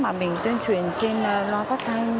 mà mình tuyên truyền trên loa phát thanh